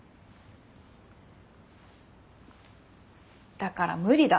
だから無理だ。